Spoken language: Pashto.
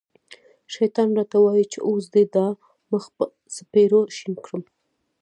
شیطان را ته وايي چې اوس دې دا مخ په څپېړو شین کړم.